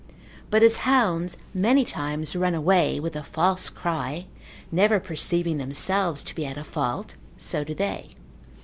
But as hounds many times run away with a false cry, never perceiving themselves to be at a fault, so do they.